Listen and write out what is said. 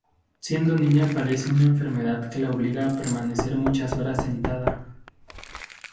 Siendo niña padece una enfermedad que la obliga a permanecer muchas horas sentada.